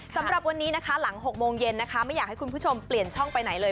สำหรับวันนี้นะคะหลัง๖โมงเย็นนะคะไม่อยากให้คุณผู้ชมเปลี่ยนช่องไปไหนเลย